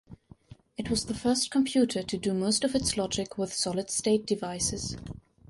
It was the first computer to do most of its logic with solid-state devices.